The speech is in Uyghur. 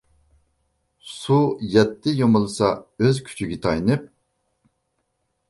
سۇ يەتتە يۇمىلىسا ئۆز كۈچىگە تايىنىپ.